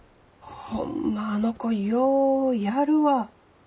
ホンマあの子ようやるわ。